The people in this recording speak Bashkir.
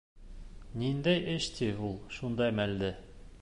Ниндәй эш ти ул шундай мәлдә?